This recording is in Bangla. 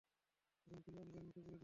তখন তিনি অঙ্গার মুখে পুরে দিলেন।